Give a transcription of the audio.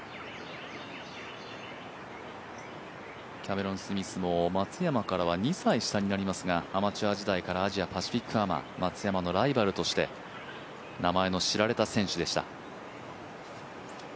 キャメロン・スミスも松山からは２歳下になりますが、アマチュア時代からアジアパシフィックアマ、松山のライバルとして名前の知られた選手でした。